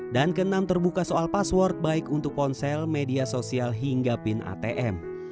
dan keenam terbuka soal password baik untuk ponsel media sosial hingga pin atm